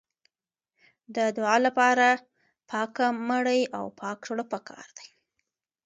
د دعا لپاره پاکه مړۍ او پاک زړه پکار دی.